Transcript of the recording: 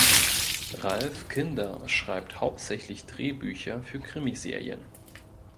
Ralf Kinder schreibt hauptsächlich Drehbücher für Krimiserien.